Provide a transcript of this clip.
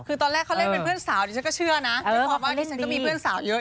คือตอนแรกเขาเล่นเป็นเพื่อนสาวดิฉันก็เชื่อนะด้วยความว่าดิฉันก็มีเพื่อนสาวเยอะ